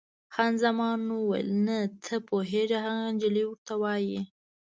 خان زمان وویل: نه، ته پوهېږې، هغه انجلۍ ورته وایي.